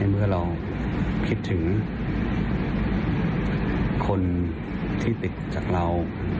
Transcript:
เมื่อเราคิดถึงคนที่ติดจากเรา